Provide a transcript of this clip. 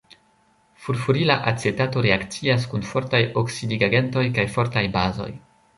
Furfurila acetato reakcias kun fortaj oksidigagentoj kaj fortaj bazoj.